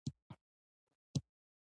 آیا موږ وطن سره مینه لرو؟